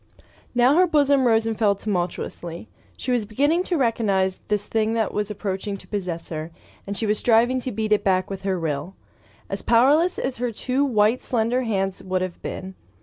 Now her bosom rose and fell tumultuously. She was beginning to recognize this thing that was approaching to possess her, and she was striving to beat it back with her will — as powerless as her two white slender hands would have been.